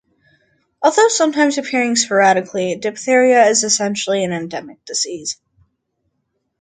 Although sometimes appearing sporadically, diphtheria is essentially an endemic disease.